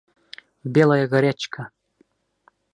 Белая горячка!